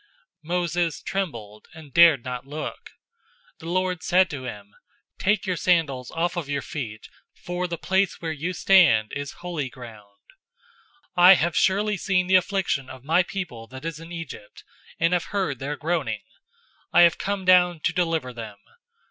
'{Exodus 3:6} Moses trembled, and dared not look. 007:033 The Lord said to him, 'Take your sandals off of your feet, for the place where you stand is holy ground. 007:034 I have surely seen the affliction of my people that is in Egypt, and have heard their groaning. I have come down to deliver them.